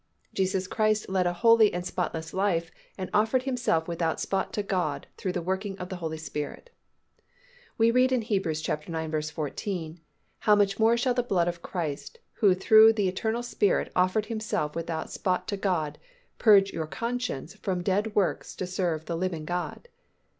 _Jesus Christ led a holy and spotless life and offered Himself without spot to God through the working of the Holy Spirit._ We read in Heb. ix. 14, "How much more shall the blood of Christ, who _through the eternal __ Spirit offered Himself without spot to God_, purge your conscience from dead works to serve the living God."